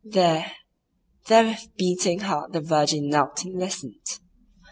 There—there with beating heart the Virgin knelt and listened.